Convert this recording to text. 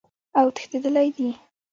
اوتښتیدلی دي